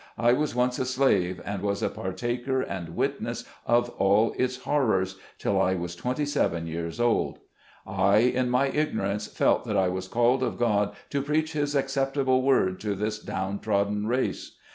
I was once a slave, and was a partaker and witness of all its horrors till I was twenty seven years old. I, in my ignorance, felt that I was called of God to preach His accept able word to this down trodden race.